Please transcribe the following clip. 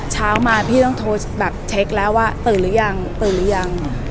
เช้ามาพี่ต้องโทรแบบเช็คแล้วว่าตื่นหรือยังตื่นหรือยัง